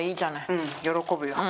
うん喜ぶよ。